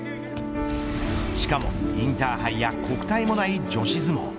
しかもインターハイや国体もない女子相撲。